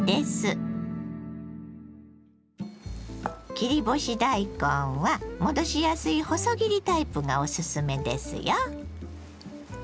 切り干し大根は戻しやすい細切りタイプがおすすめですよ。